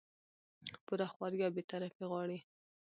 پوره خواري او بې طرفي غواړي